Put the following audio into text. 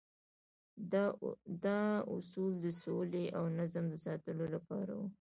دا اصول د سولې او نظم د ساتلو لپاره وو.